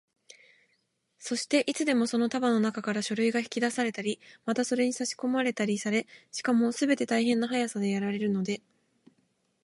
そして、いつでもその束のなかから書類が引き出されたり、またそれにさしこまれたりされ、しかもすべて大変な速さでやられるので、